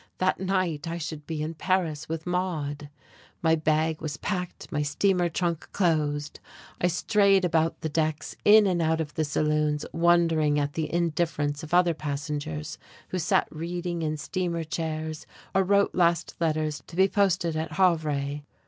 That night I should be in Paris with Maude. My bag was packed, my steamer trunk closed. I strayed about the decks, in and out of the saloons, wondering at the indifference of other passengers who sat reading in steamer chairs or wrote last letters to be posted at Havre.